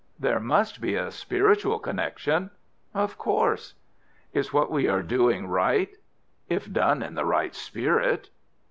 "There must be a spiritual connection?" "Of course." "Is what we are doing right?" "If done in the right spirit."